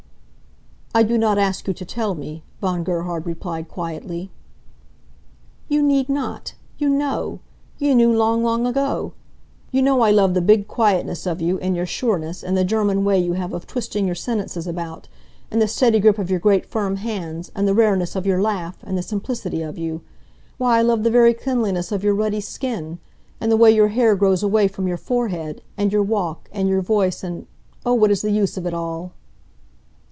"I do not ask you to tell me," Von Gerhard replied, quietly. "You need not. You know. You knew long, long ago. You know I love the big quietness of you, and your sureness, and the German way you have of twisting your sentences about, and the steady grip of your great firm hands, and the rareness of your laugh, and the simplicity of you. Why I love the very cleanliness of your ruddy skin, and the way your hair grows away from your forehead, and your walk, and your voice and Oh, what is the use of it all?"